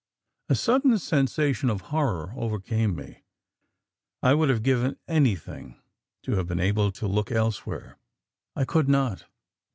A sudden sensation of horror overcame me; I would have given anything to have been able to look elsewhere. I could not.